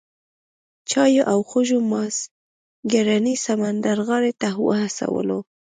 چایو او خوږو مازیګرنۍ سمندرغاړې ته وهڅولو.